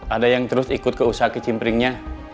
ada yang terus ikut ke usaha kecimpri nya